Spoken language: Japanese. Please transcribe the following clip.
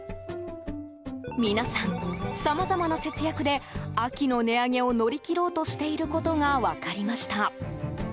皆さん、さまざまな節約で秋の値上げを乗り切ろうとしていることが分かりました。